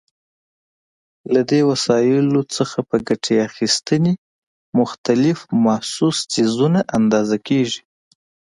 له دې وسایلو څخه په ګټې اخیستنې مختلف محسوس څیزونه اندازه کېږي.